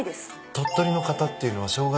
鳥取の方っていうのは正月